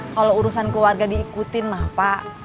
kalo urusan keluarga diikutin mah pak